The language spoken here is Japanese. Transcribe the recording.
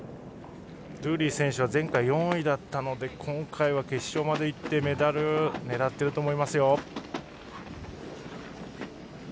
ドゥルリー選手は前回、４位だったので今回は決勝までいってメダルを狙っていると思いますよ。